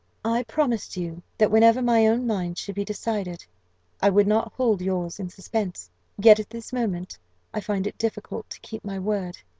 "I promised you that, whenever my own mind should be decided, I would not hold yours in suspense; yet at this moment I find it difficult to keep my word.